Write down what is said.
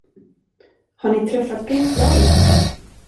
Har ni träffat Pink Floyd?